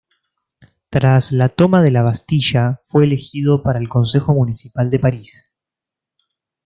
Tras la Toma de la Bastilla fue elegido para el Consejo Municipal de París.